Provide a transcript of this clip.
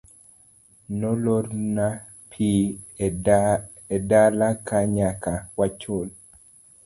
Nolorna pi edalaka nyaka wachul.